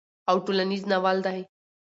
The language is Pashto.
او ټولنيز ناول دی